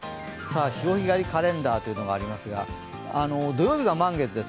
潮干狩りカレンダーというのがありますが土曜日が満月です。